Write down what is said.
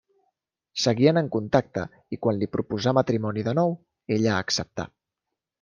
Seguien en contacte i quan li proposà matrimoni de nou, ella acceptà.